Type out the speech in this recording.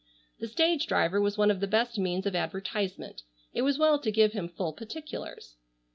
The stage driver was one of the best means of advertisement. It was well to give him full particulars.